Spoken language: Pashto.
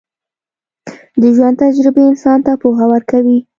د ژوند تجربې انسان ته پوهه ورکوي.